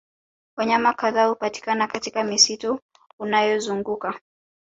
Wanyama kadhaa hupatikana katika msitu unaozunguka